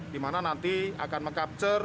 dimana nanti akan meng capture